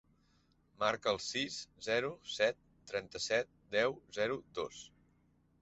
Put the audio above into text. Marca el sis, zero, set, trenta-set, deu, zero, dos.